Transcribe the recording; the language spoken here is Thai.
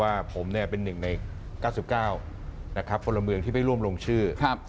ว่าผมเป็นหนึ่งใน๙๙คนละเมืองที่ไปร่วมลงชื่อ